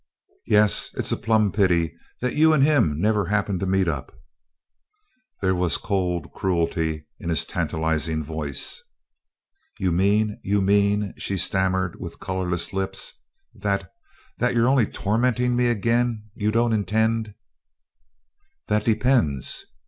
"Yes! it's a plumb pity that you and him never happened to meet up." There was cold cruelty in his tantalizing voice. "You mean you mean " she stammered with colorless lips "that that you're only tormenting me again you don't intend " "That depends."